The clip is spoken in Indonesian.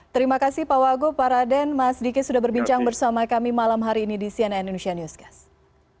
terima kasih pak wagub pak raden mas diki sudah berbincang bersama kami malam hari ini di cnn indonesia newscast